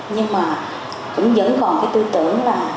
nhưng mà cũng vẫn còn cái tư tưởng là